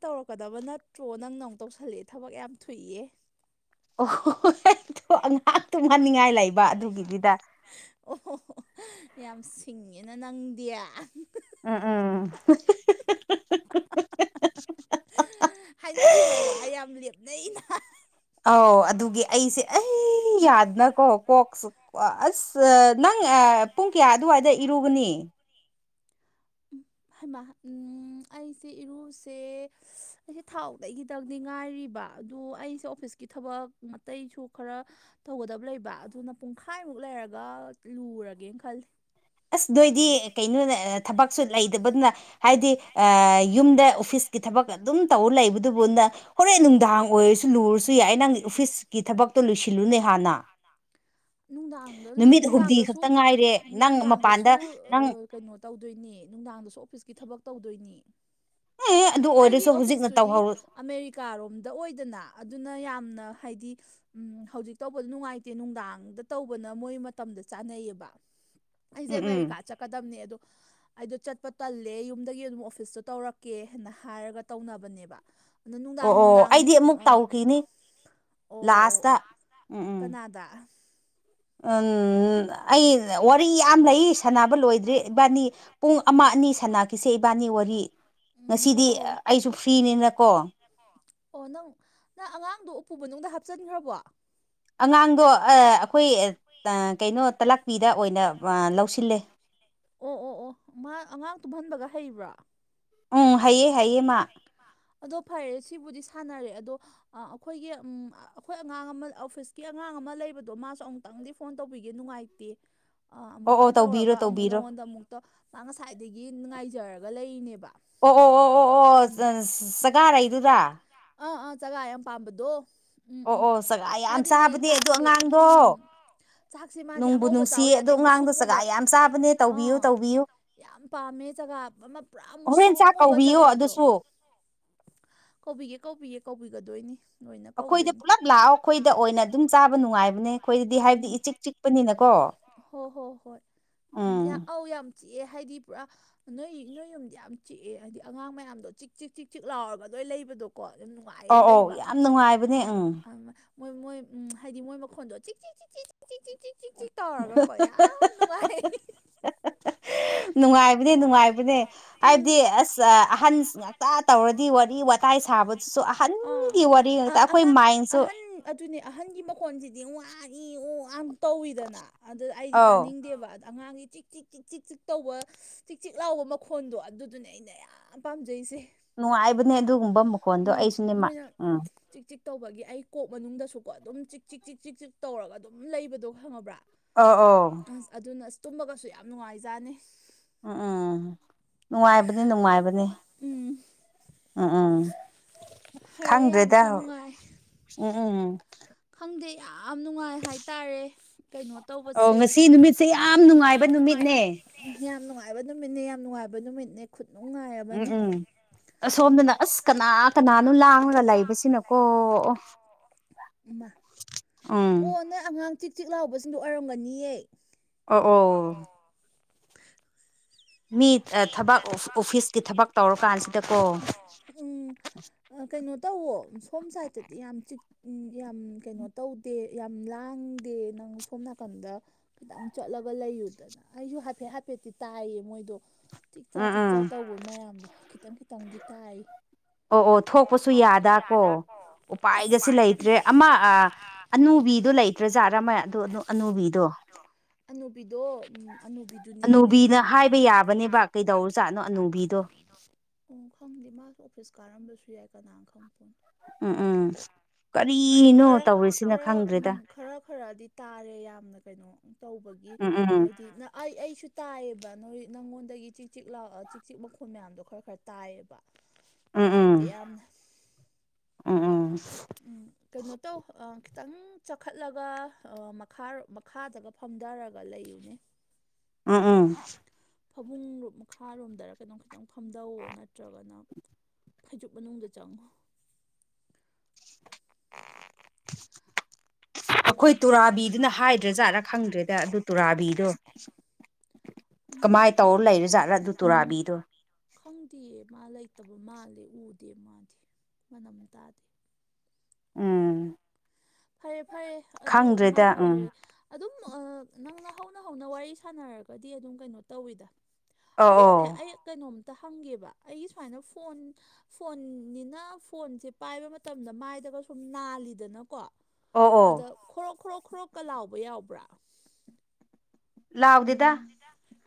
ꯇꯧꯔꯛꯀꯗꯕ ꯅꯠꯇ꯭ꯔꯣ ꯅꯪꯅ ꯑꯃꯨꯛ ꯇꯧꯁꯜꯂꯑꯦ ꯊꯕꯛ ꯌꯥꯝ ꯊꯨꯏꯌꯦ ꯑꯣꯍꯣꯏ ꯉꯍꯥꯛ ꯇꯣꯡꯍꯟꯅꯤꯡꯉꯥꯏ ꯂꯩꯕ ꯑꯗꯨꯒꯤꯅꯤꯗ ꯑꯣꯍ ꯌꯥꯝ ꯁꯤꯡꯉꯦꯅ ꯅꯪꯗꯤ ꯎꯝ ꯎꯝ ꯍꯥꯏꯅꯈꯤꯕ ꯋꯥ ꯌꯥꯝ ꯂꯦꯞꯅꯩꯩꯅ ꯑꯧ ꯑꯗꯨꯒꯤ ꯑꯩꯁꯦ ꯑꯩ ꯎꯝ ꯌꯥꯗꯅꯀꯣ ꯀꯣꯛꯁꯨ ꯑꯁ ꯅꯪ ꯄꯨꯡ ꯀꯌꯥ ꯑꯗꯨꯋꯥꯏꯗ ꯏꯔꯨꯒꯅꯤ ꯍꯥꯏꯃ ꯑꯩꯁꯦ ꯏꯔꯨꯁꯦ ꯑꯩꯁꯦ ꯊꯥꯎꯗꯩ ꯈꯤꯇꯪꯗꯤ ꯉꯥꯏꯔꯤꯕ ꯑꯗꯨ ꯑꯩꯁꯦ ꯑꯣꯐꯤꯁꯀꯤ ꯊꯕꯛ ꯑꯩꯁꯨ ꯈꯔ ꯇꯧꯒꯗꯕ ꯂꯩꯕ ꯑꯗꯨꯅ ꯄꯨꯡꯈꯥꯏꯃꯨꯛ ꯂꯩꯔꯒ ꯂꯨꯔꯒꯦꯅ ꯈꯜꯂꯤ ꯑꯁ ꯅꯣꯏꯗꯤ ꯀꯩꯅꯣꯅꯦ ꯊꯕꯛꯁꯨ ꯂꯩꯇꯕꯗꯨꯅ ꯍꯥꯏꯗꯤ ꯑ ꯌꯨꯝꯗ ꯑꯣꯐꯤꯁꯀꯤ ꯊꯕꯛ ꯑꯗꯨꯝ ꯇꯧ ꯂꯩꯕꯗꯨꯕꯨꯅ ꯍꯣꯔꯦꯟ ꯅꯨꯡꯗꯥꯡ ꯑꯣꯏꯔꯁꯨ ꯂꯨꯔꯁꯨ ꯌꯥꯏ ꯅꯪꯒꯤ ꯑꯣꯐꯤꯁꯀꯤ ꯊꯕꯛꯇꯣ ꯂꯣꯏꯁꯤꯜꯂꯨꯅꯦ ꯍꯥꯟꯅ ꯅꯨꯡꯗꯥꯡꯗ ꯅꯨꯃꯤꯠ ꯍꯨꯝꯅꯤ ꯅꯨꯡꯗꯥꯡꯗꯁꯨ ꯈꯛꯇ ꯉꯥꯏꯔꯦ ꯎ ꯅꯪ ꯅꯨꯡꯗꯥꯡꯗꯁꯨ ꯁꯨ ꯃꯄꯥꯟꯗ ꯅꯪ ꯀꯩꯅꯣ ꯇꯧꯗꯣꯏꯅꯦ ꯅꯨꯡꯗꯥꯡꯗꯁꯨ ꯑꯣꯐꯤꯁꯀꯤ ꯊꯕꯛ ꯇꯧꯗꯣꯏꯅꯤ ꯑꯦ ꯑꯗꯨ ꯑꯩꯒꯤ ꯑꯣꯏꯔꯁꯨ ꯍꯧꯖꯤꯛꯅ ꯑꯣꯐꯤꯁꯇꯨꯗꯤ ꯇꯧꯍꯧꯔ ꯑꯃꯦꯔꯤꯀꯥꯔꯣꯝꯗ ꯑꯣꯏꯗꯅ ꯑꯗꯨꯅ ꯌꯥꯝꯅ ꯍꯥꯏꯗꯤ ꯎꯝ ꯍꯧꯖꯤꯛ ꯇꯧꯕꯗꯣ ꯅꯨꯡꯉꯥꯏꯇꯦ ꯅꯨꯡꯗꯥꯡꯗ ꯇꯧꯕꯅ ꯃꯣꯏ ꯃꯇꯝꯗ ꯆꯥꯅꯩꯌꯦꯕ ꯑꯩꯁꯦ ꯎꯝ ꯎꯝ ꯑꯃꯦꯔꯤꯀꯥ ꯆꯠꯀꯗꯝꯕꯅꯦ ꯑꯗꯣ ꯑꯩꯗꯣ ꯆꯠꯄ ꯇꯜꯂꯦ ꯌꯨꯝꯗꯒꯤ ꯑꯗꯨꯝ ꯑꯣꯐꯤꯁꯇꯣ ꯇꯧꯔꯛ ꯀꯦ ꯍꯥꯏꯅ ꯍꯥꯏꯔꯒ ꯇꯧꯅꯕꯅꯦꯕ ꯑꯗꯣ ꯑꯣ ꯅꯨꯡꯗꯥꯡ ꯑꯣ ꯅꯨꯡꯗꯥꯡ ꯑꯩꯗꯤ ꯑꯃꯨꯛ ꯇꯧꯈꯤꯅꯤ ꯑꯣ ꯑꯣ ꯑꯣ ꯂꯥꯁꯇ ꯀꯅꯥꯗ ꯎ ꯑꯩ ꯋꯥꯔꯤ ꯌꯥꯝ ꯂꯩ ꯁꯥꯟꯅꯕ ꯂꯣꯏꯗ꯭ꯔꯔꯤ ꯏꯕꯥꯅꯤ ꯄꯨꯡ ꯑꯃ ꯑꯅꯤ ꯁꯅꯥꯈꯤꯁꯦ ꯏꯕꯥꯅꯤ ꯋꯥꯔꯤ ꯎꯝ ꯍꯣ ꯉꯁꯤꯗꯤ ꯑꯩꯁꯨ ꯐ꯭ꯔꯤꯅꯤꯅꯀꯣ ꯑꯣ ꯅꯪ ꯅꯪ ꯑꯉꯥꯡꯗꯣ ꯎꯄꯨ ꯃꯅꯨꯡꯗ ꯍꯥꯞꯆꯤꯟꯈ꯭ꯔꯕꯣ ꯑꯉꯥꯡꯗꯣ ꯑꯩꯈꯣꯏ ꯀꯩꯅꯣ ꯇꯂꯥꯛꯄꯤꯗ ꯑꯣꯏꯅ ꯂꯧꯁꯤꯜꯂꯦ ꯑꯣ ꯑꯣ ꯑꯣ ꯃꯥ ꯑꯉꯥꯡ ꯇꯨꯝꯍꯟꯕꯒ ꯍꯩꯕ꯭ꯔꯥ ꯎꯝ ꯍꯥꯏꯌꯦ ꯍꯥꯏ ꯑꯗꯣ ꯐꯔꯦ ꯁꯤꯕꯨꯗꯤ ꯁꯥꯟꯅꯔꯦ ꯑꯗꯣ ꯑꯩꯈꯣꯏꯒꯤ ꯎ ꯑꯩꯈꯣꯏ ꯑꯉꯥꯡ ꯑꯃ ꯑꯣꯐꯤꯁꯀꯤ ꯑꯉꯥꯡ ꯑꯃ ꯂꯩꯕꯗꯣ ꯃꯥꯁꯨ ꯑꯃꯨꯛꯇꯪꯗꯤ ꯐꯣꯟ ꯇꯧꯕꯤꯒꯦ ꯅꯨꯡꯉꯥꯏꯇꯦ ꯑꯣ ꯑꯣ ꯑꯃꯨꯛꯇꯪ ꯇꯧꯕꯤꯔꯣ ꯇꯧꯔꯒ ꯑꯃꯨꯛ ꯇꯧꯕꯤꯔꯣ ꯅꯉꯣꯟꯗ ꯑꯃꯨꯛꯇ ꯃꯥ ꯉꯁꯥꯏꯗꯒꯤ ꯅꯨꯡꯉꯥꯏꯖꯔꯒ ꯂꯩꯔꯤꯅꯦꯕ ꯑꯣ ꯑꯣ ꯑꯣ ꯑꯣ ꯑꯣ ꯎꯝ ꯆꯒꯥꯔꯛꯏꯗꯨꯗ ꯑꯥ ꯑꯥ ꯆꯖꯒꯥ ꯌꯥꯝ ꯄꯥꯝꯕꯗꯣ ꯎꯝ ꯑꯣ ꯎꯝ ꯑꯣ ꯆꯒꯥ ꯌꯥꯝ ꯃꯥꯗꯤꯅꯦ ꯆꯥꯕꯅꯦ ꯑꯗꯨ ꯆꯥꯛꯁꯦ ꯑꯉꯥꯡꯗꯣ ꯎꯝ ꯆꯥꯛꯁꯦ ꯃꯥꯗꯤ ꯅꯨꯡꯕꯨ ꯑꯉꯧꯕ ꯆꯥꯎꯕ ꯅꯨꯡꯁꯤ ꯌꯥꯗꯦ ꯑꯗꯨ ꯑꯃꯨꯛ ꯑꯉꯥꯡꯗꯣ ꯁꯛꯃꯨꯕ ꯆꯒꯥ ꯌꯥꯝ ꯆꯥꯕꯅꯦ ꯇꯧꯕꯤꯌꯨ ꯑꯥ ꯇꯧꯕꯤꯌꯨ ꯌꯥꯝ ꯄꯥꯝꯃꯦ ꯖꯒꯥ ꯑꯃ ꯄꯨꯔꯥ ꯃꯨꯛ ꯍꯣꯔꯦꯟ ꯆꯥꯛ ꯁꯣꯛꯉꯨꯕ ꯀꯧꯕꯤꯌꯣ ꯖꯒꯥꯗꯣ ꯑꯗꯨꯁꯨ ꯀꯧꯕꯤꯒꯦ ꯀꯧꯕꯤꯌꯦꯦ ꯀꯧꯕꯤꯒꯗꯣꯏꯅꯤ ꯂꯣꯏꯅ ꯑꯩꯈꯣꯏꯗ ꯀꯧꯗꯣꯏꯅꯤ ꯄꯨꯂꯞ ꯂꯥꯛꯑꯣ ꯑꯩꯈꯣꯏꯗ ꯑꯣꯏꯅ ꯑꯗꯨꯝ ꯆꯥꯕ ꯅꯨꯡꯉꯥꯏꯕꯅꯦ ꯑꯩꯈꯣꯏꯗꯗꯤ ꯍꯥꯏꯕꯗꯤ ꯎꯝ ꯏꯆꯤꯛ ꯆꯤꯛꯄꯅꯤꯅꯀꯣ ꯍꯣ ꯍꯣ ꯍꯣꯏ ꯎꯝ ꯑꯧ ꯌꯥꯝ ꯆꯤꯛꯑꯦ ꯍꯥꯏꯗꯤ ꯄꯨꯔꯥ ꯅꯣꯏ ꯅꯣꯏ ꯌꯨꯝꯗ ꯌꯥꯝ ꯆꯤꯛꯑꯦ ꯍꯥꯏꯗꯤ ꯑꯉꯥꯡ ꯃꯌꯥꯝꯗꯣ ꯆꯤꯛ ꯆꯤꯛ ꯆꯤꯛ ꯆꯤꯛ ꯂꯥꯎꯔꯒ ꯂꯣꯏ ꯂꯩꯕꯗꯣ ꯀꯣ ꯑꯗꯨ ꯅꯨꯡꯉꯥꯏꯌꯦ ꯑꯧ ꯑꯧ ꯂꯩꯕ ꯌꯥꯝ ꯎ ꯅꯨꯡꯉꯥꯏꯕꯅꯦ ꯎꯝ ꯃꯣꯏ ꯃꯣꯏ ꯎꯝ ꯍꯥꯏꯗꯤ ꯃꯣꯏ ꯃꯈꯣꯟꯗꯣ ꯇꯧꯒꯀꯣ ꯌꯥꯝ ꯅꯨꯡꯉꯥꯏ ꯅꯨꯡꯉꯥꯏꯕꯅꯦ ꯅꯨꯡꯉꯥꯏꯕꯅꯦ ꯍꯥꯏꯕꯗꯤ ꯑꯁ ꯑꯍꯟ ꯉꯥꯛꯇ ꯇꯧꯔꯗꯤ ꯋꯥꯔꯤ ꯋꯥꯇꯥꯏ ꯁꯥꯕꯗꯨꯁꯨ ꯎꯝ ꯑꯥ ꯑꯍꯟꯒꯤ ꯋꯥꯔꯤ ꯑ ꯉꯥꯛꯇ ꯑꯩꯈꯣꯏ ꯑꯉꯥꯡ ꯃꯥꯏꯟꯁꯨ ꯑꯍꯟ ꯑꯗꯨꯅꯦ ꯑꯍꯟꯒꯤ ꯃꯈꯣꯟꯁꯤꯗꯤ ꯋꯥꯏ ꯑꯣ ꯑ ꯇꯧꯋꯤꯗꯅ ꯑꯗꯨꯗ ꯑꯩꯗꯤ ꯑꯧ ꯇꯥꯅꯤꯡꯗꯦꯕ ꯑꯗ ꯑꯉꯥꯡꯗꯤ ꯆꯤꯛ ꯆꯤꯛ ꯆꯤꯛ ꯆꯤꯛ ꯆꯤꯛ ꯇꯧꯕ ꯆꯤꯛ ꯆꯤꯛ ꯂꯥꯎꯕ ꯃꯈꯣꯟꯗꯣ ꯑꯗꯨꯗꯨꯅꯦ ꯑꯩꯅ ꯌꯥꯝ ꯄꯥꯝꯖꯩꯁꯦ ꯅꯨꯡꯉꯥꯏꯕꯅꯦ ꯑꯗꯨꯒꯨꯝꯕ ꯃꯈꯣꯟꯗꯣ ꯑꯩꯁꯨ ꯎꯝ ꯆ ꯆꯤꯛ ꯆꯤꯛ ꯇꯧꯕꯒꯤ ꯑꯩ ꯀꯣꯛ ꯃꯅꯨꯡꯗꯁꯨꯀꯣ ꯑꯗꯨꯝ ꯆꯤꯛ ꯆꯤꯛ ꯆꯤꯛ ꯆꯤꯛ ꯆꯤꯛ ꯇꯧꯔꯒ ꯑꯗꯨꯝ ꯂꯩꯕꯗꯣ ꯈꯪꯉꯕ꯭ꯔꯥ ꯑ ꯑ ꯑꯁ ꯑꯗꯨꯅ ꯑꯁ ꯇꯨꯝꯃꯒꯁꯨ ꯌꯥꯝ ꯅꯨꯡꯉꯥꯏꯖꯥꯅꯤ ꯎꯝ ꯎꯝ ꯎꯝꯝ ꯅꯨꯡꯉꯥꯏꯕꯅꯤ ꯅꯨꯡꯉꯥꯏꯕꯅꯤ ꯎꯝ ꯎꯝ ꯎꯝ ꯐꯔꯦ ꯈꯪꯗ꯭ꯔꯦꯗ ꯌꯥꯝꯁꯨ ꯅꯨꯡꯉꯥꯏ ꯎꯝ ꯎꯝ ꯎꯝ ꯈꯪꯗꯦ ꯌꯥꯝ ꯅꯨꯡꯉꯥꯏ ꯍꯥꯏꯇꯥꯔꯦ ꯀꯩꯅꯣ ꯑꯣ ꯇꯧꯕꯁꯦ ꯉꯁꯤ ꯅꯨꯃꯤꯠꯁꯦ ꯌꯥꯝ ꯅꯨꯡꯉꯥꯏꯕ ꯅꯨꯃꯤꯠꯅꯦ ꯌꯥꯝ ꯅꯨꯡꯉꯥꯏꯕ ꯅꯨꯃꯤꯠꯅꯦ ꯌꯥꯝ ꯅꯨꯡꯉꯥꯏꯕ ꯅꯨꯃꯤꯠꯅꯦ ꯈꯨꯠꯅꯨꯡꯉꯥꯏ ꯎꯝ ꯎꯝꯁꯣꯝꯗꯅ ꯑꯁ ꯀꯅꯥ ꯀꯅꯥꯅꯣ ꯂꯥꯡꯉꯒ ꯂꯩꯕꯁꯤꯅꯀꯣ ꯑꯣ ꯎ ꯎꯝ ꯑꯣ ꯅꯣꯏ ꯑꯉꯥꯡ ꯇꯤꯛ ꯇꯤꯛ ꯂꯥꯎꯕꯁꯤꯡꯗꯣ ꯑꯣꯏꯔꯝꯒꯅꯤꯌꯦ ꯑꯣ ꯑꯣ ꯃꯤ ꯊꯕꯛ ꯑꯣꯐꯤꯁꯀꯤ ꯊꯕꯛ ꯇꯧꯔꯀꯥꯟꯁꯤꯗꯀꯣ ꯀꯩꯅꯣ ꯇꯧꯋꯣ ꯁꯣꯝ ꯁꯥꯏꯗꯠꯇꯗꯤ ꯌꯥꯝ ꯆꯤꯛ ꯎ ꯌꯥꯝ ꯀꯩꯅꯣ ꯇꯧꯗꯦ ꯌꯥꯝ ꯂꯥꯡꯗꯦ ꯅꯪ ꯁꯣꯝ ꯅꯥꯀꯟꯗ ꯈꯤꯇꯪ ꯆꯠꯂꯒ ꯂꯩꯌꯨꯗꯅ ꯑꯩꯁꯨ ꯍꯥꯏꯐꯦꯠ ꯍꯥꯏꯐꯦꯠꯇꯤ ꯇꯥꯏꯌꯦ ꯃꯣꯏꯗꯣ ꯊꯤꯛ ꯆꯥ ꯎꯝ ꯆꯤꯛ ꯎꯝ ꯆꯥ ꯇꯧꯕ ꯃꯌꯥꯝꯗꯣ ꯈꯤꯇꯪ ꯈꯤꯇꯪꯗꯤ ꯇꯥꯏ ꯑꯣ ꯑꯣ ꯊꯣꯛꯄꯁꯨ ꯌꯥꯗ ꯀꯣ ꯑꯁ ꯎꯄꯥꯏꯒꯁꯨ ꯂꯩꯇ꯭ꯔꯦ ꯑꯃ ꯑꯅꯨꯕꯤꯗꯨꯣ ꯂꯩꯇ꯭ꯔꯖꯥꯠꯔꯝꯃ ꯑꯗꯨ ꯑꯅꯨꯕꯤꯗꯣ ꯑꯅꯨꯕꯤꯗꯣ ꯎꯝ ꯑꯅꯨꯕꯤꯗꯨꯅꯦꯅꯦ ꯀꯩꯗꯧꯔꯨꯖꯥꯠꯅꯣ ꯑꯅꯨꯕꯤꯗꯣ ꯑꯣ ꯈꯪꯗꯦ ꯃꯥꯁꯨ ꯑꯣꯐꯤꯁ ꯀꯥꯔꯝꯕꯁꯨ ꯌꯥꯏ ꯀꯅꯥꯅ ꯈꯪꯕꯣꯅꯣ ꯎꯝ ꯎꯝ ꯀꯔꯤꯅꯣ ꯈꯔ ꯇꯧꯔꯤꯁꯤꯅ ꯈꯔ ꯎ ꯈꯪꯗ꯭ꯔꯦꯗ ꯈꯔ ꯈꯔꯗ ꯇꯥꯔꯦ ꯌꯥꯝꯅ ꯀꯩꯅꯣ ꯇꯧꯕꯒꯤ ꯎꯝ ꯎꯝ ꯍꯥꯏꯗꯤ ꯑꯩ ꯑꯩꯁꯨ ꯇꯥꯏꯌꯦꯕ ꯅꯣꯏ ꯅꯪꯉꯣꯟꯗꯒꯤ ꯆꯦꯛ ꯆꯤꯛ ꯂ ꯆꯦꯛꯆꯤꯛ ꯃꯈꯣꯟꯜ ꯃꯌꯥꯝꯗꯣ ꯈꯔ ꯈꯔ ꯇꯥꯏꯌꯦꯕ ꯎꯝ ꯎꯝ ꯅꯨꯡꯉꯥꯏꯇꯦ ꯌꯥꯝ ꯎꯝ ꯎꯝ ꯎꯝ ꯀꯩꯅꯣ ꯇꯧ ꯈꯤꯇꯪ ꯆꯈꯠꯂꯒ ꯃꯈꯥꯔꯣ ꯃꯈꯥꯗꯒ ꯐꯝꯊꯔꯒ ꯂꯩꯌꯨꯅꯦ ꯎꯝ ꯎꯝ ꯐꯃꯨꯡ ꯃꯈꯥꯔꯣꯝꯗꯔ ꯀꯩꯅꯣꯝ ꯈꯤꯇꯪ ꯐꯝꯗꯧꯋ ꯅꯠꯇ꯭ꯔꯒꯅ ꯐꯩꯖꯨꯞ ꯃꯅꯨꯡꯗ ꯆꯪꯉꯨ ꯑꯩꯈꯣꯏ ꯇꯨꯔꯥꯕꯤꯗꯨꯅ ꯍꯥꯏꯗ꯭ꯔꯥꯖꯥꯠꯔꯥ ꯈꯪꯗ꯭ꯔꯦꯗ ꯑꯗꯨ ꯇꯨꯔꯥꯕꯤꯗꯣ ꯎꯝ ꯀꯃꯥꯏ ꯈꯪ ꯇꯧꯔ ꯂꯩꯔꯖꯥꯠꯂꯥ ꯑꯗꯨ ꯇꯨꯔꯥꯕꯤꯗꯣ ꯈꯪꯗꯦꯌꯦ ꯃꯥ ꯂꯩꯇꯕ ꯃꯥꯜꯂꯦ ꯎꯗꯦ ꯃꯥꯗꯤ ꯃꯅꯝ ꯇꯥꯗꯦ ꯎꯝ ꯐꯔꯦ ꯐꯔꯦ ꯑꯗꯨ ꯈꯪꯗ꯭ꯔꯦꯗ ꯑꯃꯕꯨ ꯎꯝ ꯑꯣꯏꯔꯦ ꯑꯗꯨꯝ ꯅꯪꯅ ꯍꯧꯅ ꯍꯧꯅ ꯋꯥꯔꯤ ꯁꯥꯟꯅꯔꯒꯗꯤ ꯑꯗꯨꯝ ꯀꯩꯅꯣ ꯇꯧꯋꯤꯗ ꯑꯣ ꯑꯗꯨꯒꯅꯦ ꯑꯣ ꯑꯩ ꯀꯩꯅꯣꯝꯇ ꯍꯪꯒꯦꯕ ꯑꯩꯒꯤ ꯁꯨꯃꯥꯏꯅ ꯐꯣꯟ ꯐꯣꯟꯅꯤꯅ ꯐꯣꯟꯁꯦ ꯄꯥꯏꯕ ꯃꯇꯝꯗ ꯃꯥꯏꯗꯒ ꯁꯨꯝ ꯅꯥꯜꯂꯤꯗꯅꯀꯣ ꯑꯣ ꯑꯣ ꯑꯗ ꯈꯣꯔꯣꯛ ꯈꯣꯔꯣꯛ ꯈꯣꯔꯣꯛꯀ ꯂꯥꯎꯕ ꯌꯥꯎꯕ꯭ꯔꯥ ꯂꯥꯎꯗꯦꯗ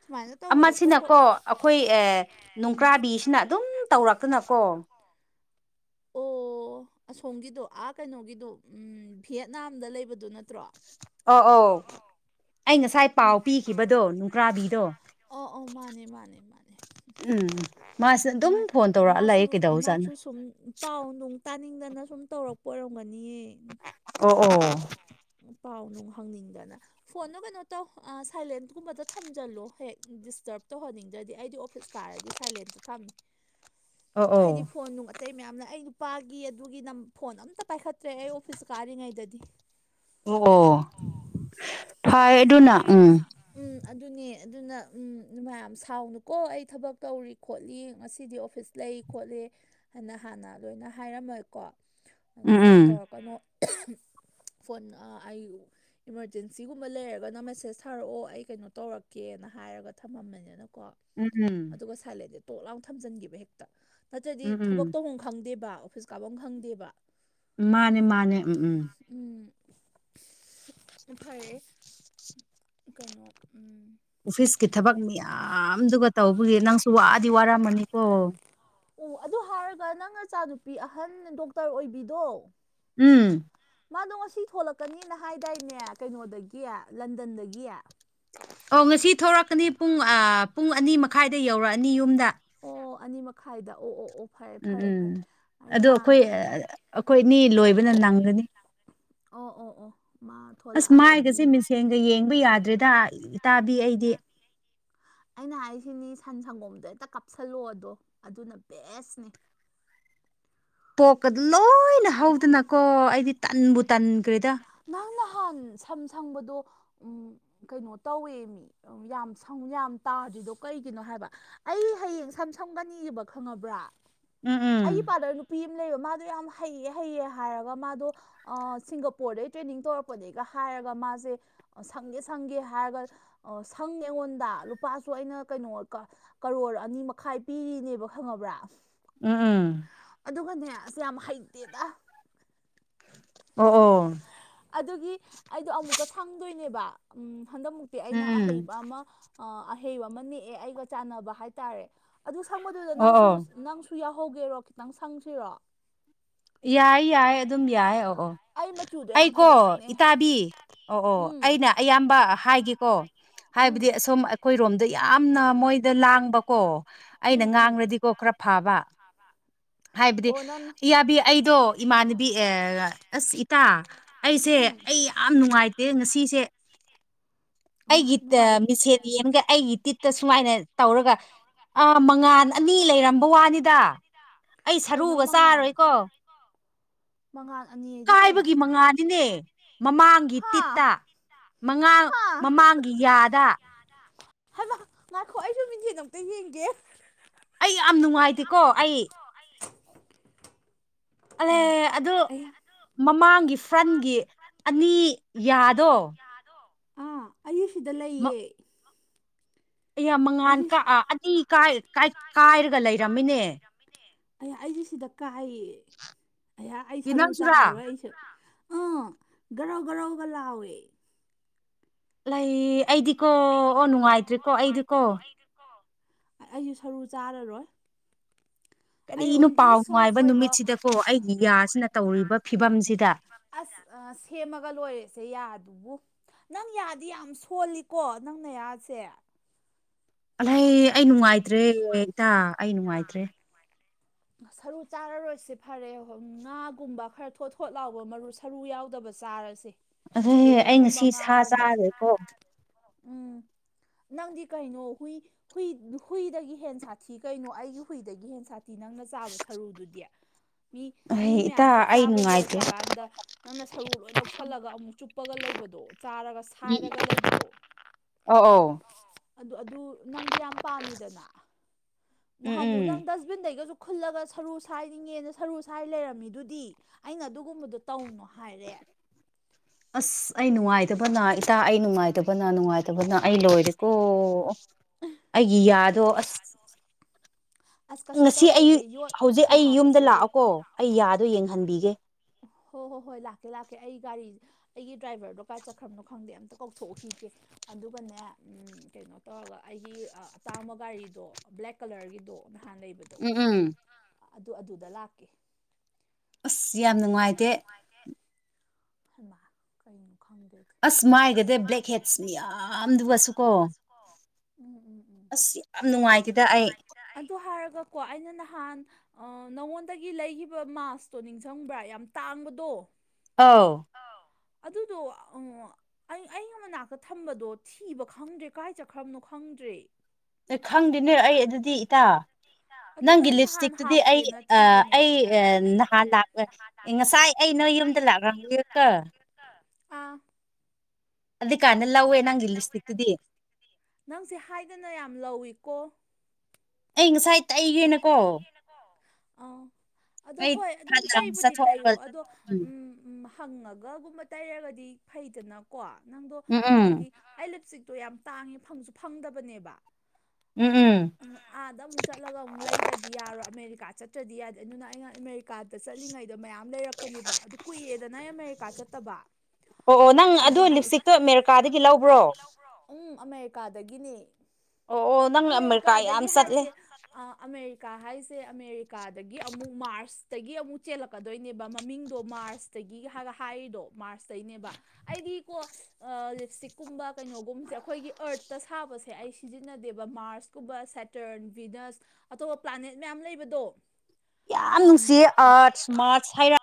ꯁꯨꯃꯥꯏꯅ ꯇꯧꯕꯗꯣ ꯈ꯭ꯔꯣꯛ ꯈ꯭ꯔꯣꯛ ꯑꯃꯁꯤꯅꯀꯣ ꯑꯩꯈꯣꯏ ꯑꯦ ꯅꯨꯡꯀ꯭ꯔꯥꯕꯤꯁꯤꯅ ꯑꯗꯨꯝ ꯇꯧꯔꯛꯇꯅꯀꯣ ꯑꯣ ꯑꯁꯣꯝꯒꯤꯗꯣ ꯑꯥ ꯀꯩꯅꯣꯒꯤꯗꯣ ꯚꯤꯌꯦꯠꯅꯥꯝꯗ ꯂꯩꯕꯗꯨ ꯅꯠꯇ꯭ꯔꯣ ꯑ ꯑꯧ ꯑꯩ ꯉꯁꯥꯏ ꯄꯥꯎ ꯄꯤꯈꯤꯕꯗꯣ ꯅꯨꯡꯀ꯭ꯔꯥꯕꯤꯗꯣ ꯑꯣ ꯑꯣ ꯃꯥꯅꯦ ꯃꯥꯅꯦ ꯃꯥꯅꯦ ꯎꯝ ꯃꯥꯁꯤꯗ ꯑꯗꯨꯝ ꯎꯝ, ꯐꯣꯟ ꯇꯧꯔꯛꯑ ꯂꯥꯛꯑꯦ ꯃꯥꯁꯨ ꯀꯩꯗꯧꯖꯥꯠꯅꯣ ꯃꯥꯁꯨ ꯁꯨꯝ ꯄꯥꯎ ꯅꯨꯡ ꯇꯥꯅꯤꯡꯗꯅ ꯁꯨꯝ ꯇꯧꯔꯛꯄ ꯑꯣꯏꯔꯝꯒꯅꯤꯌꯦ ꯑꯣ ꯑꯣ ꯄꯥꯎ ꯅꯨꯡ ꯍꯪꯅꯤꯡꯗꯅ ꯐꯣꯟꯗ ꯀꯩꯅꯣ ꯇꯧ ꯁꯥꯏꯂꯦꯟꯀꯨꯝꯕꯗ ꯊꯝꯖꯜꯂꯨ ꯍꯦꯛ ꯗꯤꯁꯇꯔꯕ ꯇꯧꯍꯟꯅꯤꯡꯗ꯭ꯔꯗꯤ ꯑꯩꯗꯤ ꯑꯣꯐꯤꯁ ꯀꯥꯔꯗꯤ ꯁꯥꯏꯂꯦꯟꯇ ꯊꯝꯃꯤ ꯑꯣ ꯍꯥꯏꯗꯤ ꯐꯣꯟ ꯅꯨꯡ ꯑꯇꯩ ꯃꯌꯥꯝꯅ ꯑꯩ ꯅꯨꯄꯥꯒꯤ ꯑꯗꯨꯒꯤ ꯅ ꯐꯣꯟ ꯑꯝꯇ ꯄꯥꯏꯈꯠꯇ꯭ꯔꯦ ꯑꯩ ꯑꯣꯐꯤꯁ ꯀꯥꯔꯤꯉꯩꯗꯗꯤ ꯑꯣ ꯐꯥꯏ ꯑꯗꯨꯅ ꯎꯝ ꯎꯝ ꯑꯗꯨꯅꯦ ꯑꯗꯨꯅ ꯎꯝ ꯃꯌꯥꯝ ꯁꯥꯎꯅꯨꯀꯣ ꯑꯩ ꯊꯕꯛ ꯇꯧꯔꯤ ꯈꯣꯠꯂꯤ ꯉꯁꯤꯗꯤ ꯑꯣꯐꯤꯁ ꯂꯩ ꯈꯣꯠꯂꯤ ꯍꯥꯏꯅ ꯍꯥꯟꯅ ꯂꯣꯏꯅ ꯍꯥꯏꯔꯝꯃꯣꯏꯀꯣ ꯑꯗꯣ ꯎꯝ ꯐꯣꯟ ꯎꯝ ꯇꯧꯔꯛꯀꯅꯨ ꯐꯣꯟ ꯑꯩ ꯏꯃꯥꯔꯖꯦꯟꯁꯤꯒꯨꯝꯕ ꯂꯩꯔꯒꯅ ꯃꯦꯁꯦꯁ ꯊꯥꯔꯛꯑꯣ ꯑꯩ ꯀꯩꯅꯣ ꯇꯧꯔꯛꯀꯦꯅ ꯍꯥꯏꯔꯒ ꯊꯝꯃꯝꯕꯅꯤꯅꯀꯣ ꯎꯝ ꯎꯝ ꯑꯗꯨꯒ ꯁꯥꯏꯂꯦꯟꯁꯦ ꯇꯣꯛ ꯂꯥꯎ ꯊꯝꯖꯤꯟꯈꯤꯕ ꯍꯦꯛꯇ ꯅꯠꯇ꯭ꯔꯗꯤ ꯎꯝ ꯎꯝ ꯊꯕꯛ ꯇꯧꯐꯝ ꯈꯪꯗꯦꯕ ꯑꯣꯐꯤꯁ ꯀꯥꯞꯐꯝ ꯈꯪꯗꯦꯕ ꯃꯥꯅꯦ ꯃꯥꯅꯦ ꯎꯝ ꯎꯝ ꯎꯝ ꯐꯔꯦ ꯀꯩꯅꯣ ꯎꯝ ꯑꯣꯐꯤꯁꯀꯤ ꯊꯕꯛ ꯃꯌꯥꯝꯗꯨꯒ ꯇꯧꯕꯒꯤ ꯅꯪꯁꯨ ꯋꯥꯗꯤ ꯋꯥꯔꯝꯃꯅꯤꯀꯣ ꯑꯣ ꯑꯗꯨ ꯍꯥꯏꯔꯒ ꯅꯪ ꯑꯆꯥꯅꯨꯄꯤ ꯑꯍꯟ ꯗꯣꯛꯇꯔ ꯑꯣꯏꯕꯤꯗꯣ ꯎꯝ ꯃꯥꯗꯣ ꯉꯁꯤ ꯊꯣꯛꯣꯂꯛꯀꯅꯤꯅ ꯍꯥꯏꯗꯥꯏꯅꯦ ꯀꯩꯅꯣꯗꯒꯤ ꯂꯟꯗꯟꯗꯒꯤ ꯑꯣ ꯉꯁꯤ ꯊꯣꯛꯂꯛꯀꯅꯤ ꯄꯨꯡ ꯄꯨꯡ ꯑꯅꯤ ꯃꯈꯥꯏꯗ ꯌꯧꯔꯛꯑꯅꯤ ꯌꯨꯝꯗ ꯑꯣ ꯑꯅꯤ ꯃꯈꯥꯏꯗ ꯑꯣ ꯑꯣ ꯑꯣ ꯐꯔꯦ ꯎꯝ ꯐꯔꯦ ꯎꯝ ꯐꯔꯦ ꯑꯩ ꯑꯗꯣ ꯃꯥꯡ ꯑꯩꯈꯣꯏ ꯎꯝ ꯑꯩꯈꯣꯏꯅꯤ ꯂꯣꯏꯕꯅ ꯅꯪꯒꯅꯤ ꯑꯣ ꯑꯣ ꯑꯣ ꯃꯥ ꯑꯁ ꯊꯣꯛꯂꯛꯑꯒꯗꯤ ꯃꯥꯏꯒꯁꯦ ꯃꯤꯡꯁꯦꯟꯒ ꯌꯦꯡꯕ ꯌꯥꯗ꯭ꯔꯦꯗ ꯏꯇꯥꯕꯤ ꯑꯩꯗꯤ ꯑꯩꯅ ꯍꯥꯏꯁꯤꯅꯤ ꯁꯟ ꯁꯪꯒꯣꯝꯗꯣ ꯍꯦꯛꯇ ꯀꯥꯞꯁꯜꯂꯣ ꯑꯗꯣ ꯑꯗꯨꯅ ꯕꯦꯁꯅꯦ ꯄꯣꯛꯀꯗ ꯂꯣꯏꯅ ꯍꯧꯗꯅꯀꯣ ꯑꯩꯗꯤ ꯇꯟꯕꯨ ꯇꯟꯈ꯭ꯔꯦꯗ ꯅꯪ ꯅꯍꯥꯟ ꯁꯝ ꯁꯪꯕꯗꯣ ꯎ ꯀꯩꯅꯣ ꯇꯧꯋꯦ ꯃꯤ ꯌꯥꯝ ꯁꯪ ꯌꯥꯝ ꯇꯥꯗ꯭ꯔꯤꯗꯣ ꯀꯩꯒꯤꯅꯣ ꯍꯥꯏꯕ ꯑꯩ ꯍꯌꯦꯡ ꯁꯝ ꯁꯝꯒꯅꯤꯕ ꯈꯪꯉꯕ꯭ꯔꯥ ꯎꯝ ꯑꯩ ꯎꯝ ꯏꯄꯥꯗ ꯅꯨꯄꯤ ꯑꯃ ꯂꯩꯕ ꯃꯥꯗꯣ ꯌꯥꯝ ꯍꯩꯌꯦꯦ ꯍꯩꯌꯦ ꯍꯥꯏꯔꯒ ꯃꯥꯗꯣ ꯁꯤꯡꯒ ꯄꯣꯔꯗꯩ ꯇ꯭ꯔꯦꯅꯤꯡ ꯇꯧꯔꯛꯄꯗꯒꯤꯩꯒ ꯍꯥꯏꯔꯒ ꯃꯥꯁꯦ ꯁꯪꯒꯦ ꯁꯪꯒꯦ ꯍꯥꯏꯔꯒ ꯁꯪꯉꯦ ꯑꯩꯉꯣꯟꯗ ꯂꯨꯄꯥꯁꯨ ꯑꯩꯅ ꯀꯩꯅꯣ ꯀꯔꯣꯔ ꯑꯅꯤ ꯃꯈꯥꯏ ꯄꯤꯔꯤꯅꯦꯕ ꯈꯪꯉꯕ꯭ꯔꯥ ꯎꯝ ꯎꯝ ꯑꯗꯨꯒꯅꯦ ꯑꯁ ꯌꯥꯝ ꯍꯩꯇꯦꯗ ꯑꯣ ꯑꯣ ꯑꯗꯨꯒꯤ ꯑꯩꯗꯣ ꯑꯃꯨꯛꯀ ꯁꯪꯗꯣꯏꯅꯦꯕ ꯍꯟꯗꯛꯨ ꯤ ꯎꯝ ꯑꯩꯅ ꯎꯝ ꯑꯍꯩꯕ ꯑꯃ ꯑꯍꯩꯕ ꯑꯃ ꯅꯦꯛꯑꯦ ꯑꯩꯒ ꯆꯥꯟꯅꯕ ꯍꯥꯏꯇꯥꯔꯦ ꯑꯗꯨ ꯁꯪꯕꯗꯨꯗ ꯑꯣ ꯅꯪꯁꯨ ꯑꯣ ꯅꯪꯁꯨ ꯌꯥꯎꯍꯧꯒꯦꯔꯣ ꯈꯤꯇꯪ ꯁꯪꯗ꯭ꯔꯣ ꯌꯥꯏ ꯌꯥꯏ ꯑꯗꯨꯝ ꯌꯥꯏ ꯑꯣ ꯑꯣ ꯑꯩ ꯃꯆꯨꯗꯣ ꯌꯥꯝ ꯑꯩꯀꯣ ꯐꯖꯕꯅꯦ ꯏꯇꯥꯕꯤ ꯑꯣ ꯑꯣ ꯎꯝ ꯑꯩꯅ ꯑꯌꯥꯝꯕ ꯍꯥꯏꯒꯦꯀꯣ ꯍꯥꯏꯕꯗꯤ ꯎꯝ ꯑꯁꯣꯝ ꯑꯩꯈꯣꯏꯔꯣꯝꯗ ꯌꯥꯝꯅ ꯃꯣꯏꯗ ꯂꯥꯡꯕ ꯀꯣ ꯑꯩꯅ ꯎꯝ ꯎꯝ ꯉꯥꯡꯅꯗꯤꯀꯣ ꯈꯔ ꯐꯥꯕ ꯍꯥꯏꯕꯗꯤ ꯑꯣ ꯅꯪ ꯌꯥꯕꯤ ꯑꯩꯗꯣ ꯏꯃꯥꯟꯅꯕꯤ ꯑꯦ ꯑꯁ ꯏꯇꯥ ꯑꯩꯁꯦ ꯎꯝ ꯑꯩ ꯌꯥꯝ ꯅꯨꯡꯉꯥꯏꯇꯦ ꯉꯁꯤꯁꯦ ꯑꯃ ꯑꯩꯒꯤ ꯅꯨꯡꯉꯥꯏ ꯃꯤꯁꯦꯟ ꯌꯦꯦꯝꯒ ꯑꯩꯒꯤ ꯇꯤꯠꯇ ꯁꯨꯃꯥꯏꯅ ꯇꯧꯔꯒ ꯑꯥ ꯃꯉꯥꯥꯟ ꯑꯅꯤ ꯂꯩꯔꯝꯕ ꯋꯥꯅꯤꯗ ꯑꯩ ꯀꯩꯅꯣ ꯁꯔꯨꯒ ꯆꯥꯔꯣꯏꯀꯣ ꯃꯉꯥ ꯑꯅꯤ ꯀꯥꯏꯕꯒꯤ ꯃꯉꯥꯅꯤꯅꯦ ꯃꯃꯥꯡꯒꯤ ꯍꯥ ꯇꯤꯠꯇ ꯃꯉꯥꯡ ꯃꯃꯥꯡꯒꯤ ꯌꯥꯗ ꯉꯥꯛꯈꯣ ꯑꯩꯁꯨ ꯃꯤꯊꯦꯟ ꯑꯝꯛꯇ ꯌꯦꯡꯒꯦ ꯑꯩ ꯌꯥꯝ ꯅꯨꯡꯉꯥꯏꯇꯦꯀꯣ ꯑꯩ ꯑ ꯑꯂꯦ ꯑꯗꯨ ꯃꯃꯥꯡꯒꯤ ꯐ꯭ꯔꯟꯒꯤ ꯑꯅꯤ ꯌꯥꯗꯣ ꯑꯥ ꯑꯩꯌꯨꯛ ꯁꯤꯗ ꯂꯩꯌꯦ ꯑꯩ ꯌꯥꯝ ꯃꯉꯥꯥꯟ ꯀ ꯑꯩꯁꯨ ꯑꯅꯤ ꯀꯥꯏꯔꯒ ꯂꯩꯔꯝꯃꯤꯅꯦ ꯑꯩꯍꯥꯛ ꯑꯩꯁꯦ ꯁꯤꯗ ꯀꯥꯏꯑꯌꯦ ꯑꯩꯍꯥꯛ ꯑꯩ ꯏ ꯁꯔꯨ ꯅꯪꯁꯨꯔꯥ ꯆꯥꯔꯔꯣꯏ ꯑꯩ ꯑꯥ ꯒꯔꯧ ꯒꯔꯧꯒ ꯂꯥꯎꯋꯦ ꯂꯩ ꯑꯩꯗꯤꯀꯣ ꯑꯣ ꯅꯨꯡꯉꯥꯏꯇ꯭ꯔꯤꯀꯣ ꯑꯩꯗꯤꯀꯣ ꯑꯩꯁꯨ ꯁꯔꯨ ꯆꯥꯔꯔꯣꯏ [unintelligible] ꯑꯩ ꯀꯔꯤꯅꯣ ꯑꯣꯟꯂꯤ ꯄꯥꯎ ꯁꯣꯐ ꯅꯨꯡꯉꯥꯏꯕ ꯑꯣꯏꯕ ꯅꯨꯃꯤꯠꯁꯤꯗꯀꯣ ꯑꯩꯒꯤ ꯌꯥꯁꯤꯅ ꯇꯧꯔꯤꯕ ꯐꯤꯕꯝꯁꯤꯗ ꯑꯁ ꯁꯦꯝꯃꯒ ꯂꯣꯏꯔꯦꯁꯦ ꯌꯥꯗꯨꯕꯨ ꯅꯪ ꯌꯥꯗꯤ ꯌꯥꯝ ꯁꯣꯜꯂꯤ ꯀꯣ ꯅꯪꯅ ꯌꯥꯁꯦ ꯑꯍꯩ ꯑꯩ ꯅꯨꯡꯉꯥꯏꯇ꯭ꯔꯦ ꯏꯇꯥ ꯑꯩ ꯅꯨꯡꯉꯥꯏꯇ꯭ꯔꯦ ꯁꯔꯨ ꯆꯥꯔꯔꯣꯏꯁꯤ ꯐꯔꯦ ꯉꯥꯒꯨꯝꯕ ꯈꯔ ꯊꯣꯠ ꯊꯣꯠ ꯂꯥꯎꯕ ꯃꯔꯨ ꯁꯔꯨ ꯌꯥꯎꯗꯕ ꯆꯥꯔꯁꯦ ꯑꯗꯩ ꯑꯩ ꯌꯦꯔꯨꯝꯒꯨꯝꯕ ꯉꯁꯤ ꯁꯥ ꯉꯥꯒꯨꯝꯕ ꯆꯥꯔꯦꯀꯣ ꯎꯝ ꯅꯪꯗꯤ ꯀꯩꯅꯣ ꯍꯨꯏ ꯍꯨꯏ ꯍꯨꯏꯗꯒꯤ ꯍꯦꯟ ꯁꯥꯊꯤ ꯀꯩꯅꯣ ꯑꯩꯒꯤ ꯍꯨꯏꯗꯒꯤ ꯍꯦꯟ ꯁꯥꯊꯤ ꯇꯤ ꯅꯪꯅ ꯆꯥꯕ ꯁꯔꯨꯗꯨꯗꯤ ꯃꯤ ꯑꯩ ꯃꯤ ꯏꯇꯥ ꯃꯌꯥꯝ ꯑꯩ ꯆꯥꯛꯆꯥꯥꯕ ꯅꯨꯡꯉꯥꯏꯇ꯭ꯔꯦ ꯂꯣꯏꯈ꯭ꯔꯀꯥꯟꯗ ꯅꯪꯅ ꯁꯔꯨ ꯂꯣꯏ ꯂꯧꯁꯤꯜꯂꯒ ꯑꯃꯨꯛ ꯆꯨꯞꯄꯒ ꯂꯩꯕꯗꯣ ꯆꯥꯔꯒ ꯁꯥꯏꯔꯒ ꯂꯩꯕꯗꯣ ꯑꯣ ꯑꯣ ꯑꯗꯨ ꯑꯗꯨ ꯅꯪꯗꯤ ꯌꯥꯝ ꯄꯥꯝꯃꯤꯗꯅ ꯎꯝ ꯅꯍꯥꯟ ꯑꯃꯨꯛ ꯎꯝ ꯅꯪ ꯗꯁꯕꯤꯟꯗꯩꯒꯁꯨ ꯈꯨꯜꯂꯒ ꯁꯔꯨ ꯁꯥꯏꯗꯤ ꯌꯦꯦꯅ ꯁꯔꯨ ꯁꯥꯏ ꯂꯩꯔꯝꯃꯤꯗꯨꯗꯤ ꯑꯩꯅ ꯑꯗꯨꯒꯨꯝꯕꯗꯣ ꯇꯧꯅꯣ ꯍꯥꯏꯔꯦ ꯑꯁ ꯑꯩ ꯅꯨꯡꯉꯥꯏꯇꯕꯅ ꯏꯇꯥ ꯑꯩ ꯅꯨꯡꯉꯥꯏꯇꯕꯅ ꯅꯨꯡꯉꯥꯏꯇ ꯑꯗꯨꯕꯨꯅ ꯑꯩ ꯂꯣꯏꯔꯦꯀꯣ ꯑꯩꯒꯤ ꯌꯥꯗꯣ ꯑꯁ ꯑꯁ ꯀꯩꯁꯨ ꯉꯁꯤ ꯑꯌꯨ ꯇꯧꯔꯣꯏꯁꯦ ꯍꯧꯖꯤꯛ ꯌꯣꯠꯀꯤ ꯑꯩ ꯌꯨꯝꯗ ꯍꯥꯞꯄꯁꯦ ꯌꯣꯠꯀꯤ ꯂꯥꯛꯑꯀꯣ ꯑꯩ ꯌꯥꯗꯣ ꯌꯦꯡꯍꯟꯕꯤꯒꯦ ꯍꯣ ꯍꯣ ꯍꯣꯏ ꯂꯥꯛꯀꯦ ꯂꯥꯛꯀꯦ ꯑꯩ ꯒꯥꯔꯤꯁꯦ ꯑꯩꯒꯤ ꯗ꯭ꯔꯥꯏꯚꯔꯗꯣ ꯀꯥꯏ ꯆꯠꯈ꯭ꯔꯝꯅꯣ ꯈꯪꯗꯦ ꯑꯝꯇ ꯀꯧꯊꯣꯛꯈꯤꯒꯦ ꯑꯗꯨꯒꯅꯦ ꯀꯩꯅꯣ ꯇꯧꯔꯒ ꯑꯩꯒꯤ ꯑꯇꯥꯡꯕ ꯒꯥꯔꯤꯗꯣ ꯕ꯭ꯂꯦꯛ ꯀꯂꯔꯒꯤꯗꯣ ꯅꯍꯥꯟ ꯂꯩꯕꯗꯣ ꯎꯝ ꯎꯝ ꯑꯗꯨ ꯑꯗꯨꯗ ꯂꯥꯛꯀꯦ ꯑꯁ ꯌꯥꯝ ꯅꯨꯡꯉꯥꯏꯇꯦ ꯊꯟꯃ ꯀꯩꯅꯣ ꯈꯪꯗꯦ ꯑꯁ ꯃꯥꯏꯒꯗꯦ ꯕ꯭ꯂꯦꯛ ꯍꯦꯠꯁ ꯃꯌꯥꯝꯗꯨꯒꯁꯨ ꯀꯣ ꯑꯣ ꯎꯝ ꯎꯝ ꯎꯝ ꯑꯁ ꯌꯥꯝ ꯅꯨꯡꯉꯥꯏꯇꯦꯗ ꯑꯩ ꯑꯗꯨ ꯍꯥꯏꯔꯒꯀꯣ ꯑꯩꯅ ꯅꯍꯥꯟ ꯅꯉꯣꯟꯗꯒꯤ ꯂꯩꯈꯤꯕ ꯃꯥꯁꯇꯣ ꯅꯤꯡꯁꯤꯡꯕ꯭ꯔꯥ ꯌꯥꯝ ꯇꯥꯡꯕꯗꯣ ꯑꯥꯎ ꯑꯗꯨꯗꯣ ꯎ ꯑꯩ ꯑꯩ ꯃꯅꯥꯛꯇ ꯊꯝꯕꯗꯣ ꯊꯤꯕ ꯈꯪꯗ꯭ꯔꯦ ꯀꯥꯏ ꯆꯠꯈ꯭ꯔꯕꯅꯣ ꯈꯪꯗ꯭ꯔꯦ ꯅ ꯈꯪꯗꯦꯅꯦ ꯑꯩ ꯑꯗꯨꯗꯤ ꯏꯇꯥ ꯑꯗꯨꯗꯣ ꯅꯪꯒꯤ ꯑꯩ ꯂꯤꯞ ꯅꯍꯥꯟ ꯏꯁꯇꯤꯛꯇꯨꯗꯤ ꯑꯩ ꯍꯥꯞꯀꯦꯅ ꯊꯤꯕꯅꯦꯕ ꯑꯩ ꯅꯍꯥꯟ ꯂ ꯑꯦ ꯉꯁꯥꯏ ꯑꯩ ꯅꯣꯏ ꯌꯨꯝꯗ ꯂꯥꯛꯂ ꯂꯩꯔꯀ ꯑꯥ ꯑꯗꯨ ꯀꯥꯟꯅ ꯂꯥꯛꯋꯦ ꯅꯪꯒꯤ ꯂꯤꯁꯇꯤꯛꯇꯨꯗꯤ ꯅꯪꯁꯦ ꯍꯥꯏꯗꯅ ꯌꯥꯝ ꯂꯧꯏꯀꯣ ꯑꯩꯪ ꯁꯥꯏ ꯑꯩ ꯉꯁꯥꯏ ꯑꯩꯒꯦꯅꯀꯣ ꯑꯥ ꯑꯗꯣ ꯑꯩ ꯍꯣꯏ ꯑꯗꯨꯝ ꯐꯠ ꯂꯥꯎꯅ ꯇꯩꯕꯨꯗꯤ ꯆꯠꯊꯣꯛꯑꯒ ꯇꯩꯌꯣ ꯑꯗꯣ ꯎꯝ ꯎ ꯍꯪꯉꯒꯒꯨꯝꯕ ꯇꯩꯔꯒꯗꯤ ꯐꯩꯗꯅꯀꯣ ꯅꯪꯗꯣ ꯎꯝ ꯎꯝ ꯍꯥꯏꯗꯤ ꯑꯩ ꯂꯤꯞ ꯏꯁꯇꯤꯛꯇꯣ ꯌꯥꯝ ꯇꯥꯡꯉꯦ ꯐꯪꯁꯨ ꯐꯪꯗꯕꯅꯦꯕ ꯎꯝ ꯎꯝ ꯑꯥꯗ ꯑꯃꯨꯛ ꯆꯠꯂꯒ ꯑꯃꯨꯛ ꯂꯩꯗ꯭ꯔꯗꯤ ꯌꯥꯔꯣꯏ ꯑꯃꯦꯔꯤꯀꯥ ꯆꯠꯇ꯭ꯔꯗꯤ ꯌꯥꯗꯦ ꯑꯗꯨꯅ ꯑꯩꯅ ꯑꯃꯔꯤꯀꯥꯗ ꯆꯠꯂꯤꯉꯩꯗꯣ ꯃꯌꯥꯝ ꯂꯩꯔꯛꯄꯅꯦꯕ ꯑꯗꯨ ꯀꯨꯏꯑꯦꯗ ꯅꯣꯏ ꯑꯃꯦꯔꯤꯀꯥ ꯆꯠꯇꯕ ꯑꯣ ꯑꯣ ꯅꯪ ꯑꯗꯨꯣ ꯑꯗꯨꯒꯤ ꯂꯤꯞꯁꯇꯤꯛꯇꯣ ꯑꯃꯦꯔꯤꯀꯥꯗꯒꯤ ꯂꯧꯕ꯭ꯔꯣ ꯎꯝ ꯑꯃꯦꯔꯤꯀꯥꯗꯒꯤꯅꯦ ꯑꯣ ꯑꯣ ꯅꯪ ꯑꯃꯦꯔꯤꯀꯥ ꯌꯥꯝ ꯑꯃꯦꯔꯤꯀꯥꯗꯒꯤ ꯆꯠꯂꯦ ꯍꯥꯏꯁꯦ ꯑꯃꯦꯔꯤꯀꯥ ꯍꯥꯏꯁꯦ ꯑꯃꯦꯔꯤꯀꯥꯗꯒꯤ ꯑꯃꯨꯛ ꯃꯥꯔꯁꯇꯒꯤ ꯑꯃꯨꯛ ꯆꯦꯜꯂꯛꯄ ꯀꯀꯗꯣꯏꯅꯦꯕ ꯃꯃꯤꯡꯗꯣ ꯃꯥꯔꯁꯇꯒꯤ ꯍꯥꯏꯔꯒ ꯍꯥꯏꯔꯤꯗꯣ ꯃꯥꯔꯁꯇꯒꯤꯅꯦꯕ ꯑꯩꯗꯤꯀꯣ ꯂꯤꯞꯁꯇꯤꯛꯀꯨꯝꯕ ꯀꯩꯅꯣꯒꯨꯝꯕꯁꯦ ꯑꯩꯈꯣꯏꯒꯤ ꯑꯔꯠꯇ ꯁꯥꯕꯁꯦ ꯑꯩꯁ ꯁꯤꯖꯤꯟꯅꯗꯦꯕ ꯃꯥꯔꯁꯀꯨꯝꯕ ꯁꯦꯇꯔꯟ ꯚꯤꯅꯁ ꯑꯇꯣꯞꯄ ꯄ꯭ꯂꯥꯅꯦꯠ ꯃꯌꯥꯝ ꯂꯩꯕꯗꯣ ꯌꯥꯝ ꯅꯨꯡꯁꯤꯌꯦ ꯑꯥꯔꯠꯁ ꯃꯥꯔꯠꯁ ꯍꯥꯏꯔ